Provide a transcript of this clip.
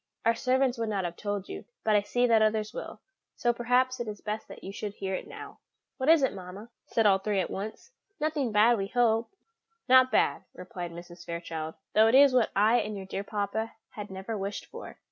Our servants would not have told you, but I see that others will, so perhaps it is best that you should hear it now." "What is it, mamma?" said all three at once; "nothing bad, we hope." "Not bad," replied Mrs. Fairchild, "though it is what I and your dear papa had never wished for."